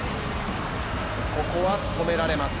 ここは止められます。